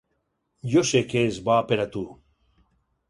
Jo sé que és bo per a tu.